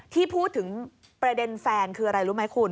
ที่พูดถึงประเด็นแฟนคืออะไรรู้ไหมคุณ